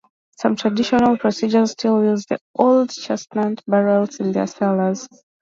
Some traditional producers still use the old chestnut barrels in their cellars.